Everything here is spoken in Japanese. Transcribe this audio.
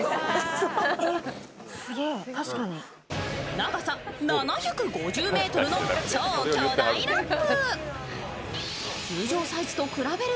長さ７５０ｍの超巨大ラップ。